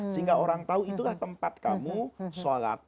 sehingga orang tahu itulah tempat kamu sholat